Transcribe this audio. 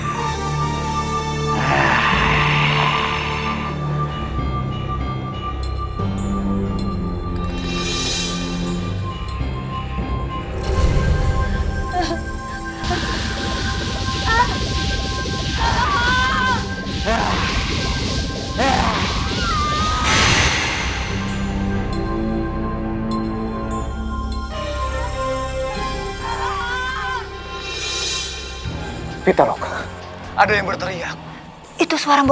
jangan lupa like share dan subscribe